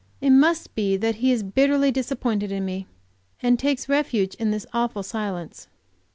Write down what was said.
It must be that he is bitterly disappointed in me, and takes refuge in this awful silence.